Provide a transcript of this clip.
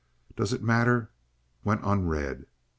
Does it Matter?" went unread.